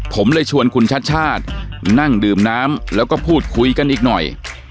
ผมเลยชวนคุณชาติชาตินั่งดื่มน้ำแล้วก็พูดคุยกันอีกหน่อย